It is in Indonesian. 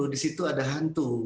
di situ ada hantu